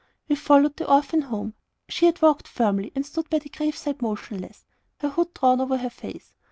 We followed the orphan home. She had walked firmly, and stood by the grave side motionless, her hood drawn over her face.